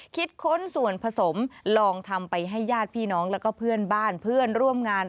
ค้นส่วนผสมลองทำไปให้ญาติพี่น้องแล้วก็เพื่อนบ้านเพื่อนร่วมงาน